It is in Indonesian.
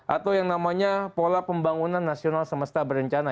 atau yang namanya pola pembangunan nasional semesta berencana